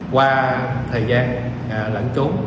qua thời gian lận trốn